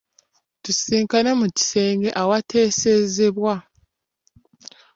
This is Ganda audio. Tusisinkane mu kisenge awateesezebwa?